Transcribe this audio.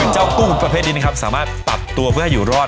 กุ้งประเภทนี้นะครับสามารถปรับตัวเพื่อให้อยู่รอด